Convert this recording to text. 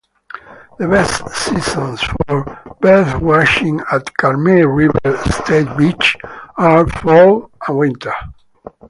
The best seasons for birdwatching at Carmel River State Beach are fall and winter.